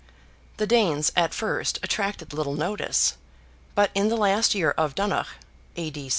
The Danes at first attracted little notice, but in the last year of Donogh (A.D.